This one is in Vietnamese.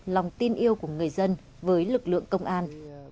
lòng tin yêu của người dân với lực lượng công an